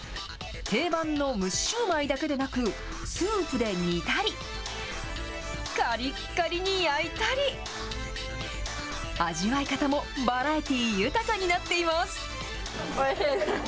定番の蒸しシューマイだけでなく、スープで煮たり、かりっかりに焼いたり、味わい方もバラエティー豊かになっています。